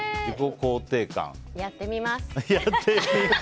やってみます。